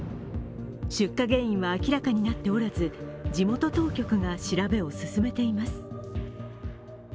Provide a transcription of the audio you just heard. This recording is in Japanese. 出火原因は明らかになっておらず、地元当局が調べを進めています。